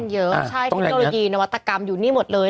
เยอะใช่เทคโนโลยีนวัตกรรมอยู่นี่หมดเลย